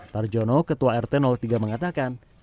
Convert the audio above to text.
tarjono ketua rt tiga mengatakan